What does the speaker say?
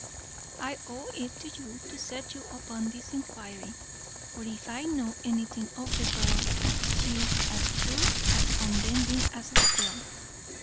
I owe it to you to set you upon this inquiry; for if I know anything of the girl, she is as true and as unbending as steel.